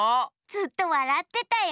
ずっとわらってたよ。